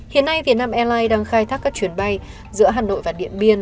hiện nay vietnam airlines đang khai thác các chuyến bay giữa hà nội và điện biên